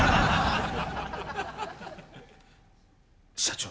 社長。